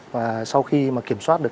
và sau khi kiểm soát được